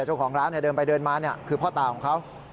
เจ้าของร้านเดินไปเดินมาคือพ่อตาของเขา